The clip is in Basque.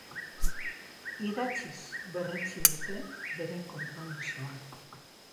Idatziz berretsi dute beren konpromisoa.